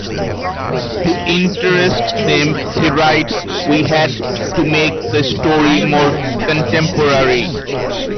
"To interest them," he writes, "we had to make the story more contemporary.